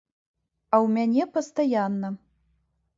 А ў мяне пастаянна.